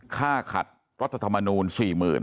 ค่าขัดรัฐธรรมนูญสี่หมื่น